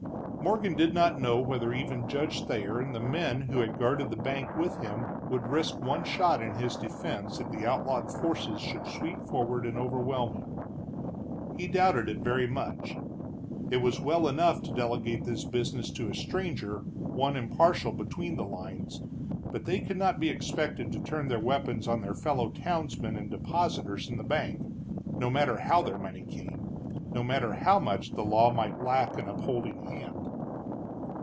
Morgan did not know whether even Judge Thayer and the men who had guarded the bank with him would risk one shot in his defense if the outlawed forces should sweep forward and overwhelm him. He doubted it very much. It was well enough to delegate this business to a stranger, one impartial between the lines, but they could not be expected to turn their weapons on their fellow townsmen and depositors in the bank, no matter how their money came, no matter how much the law might lack an upholding hand.